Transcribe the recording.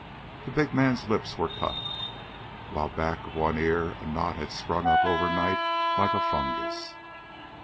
The big man's lips were cut, while back of one ear a knot had sprung up over night like a fungus.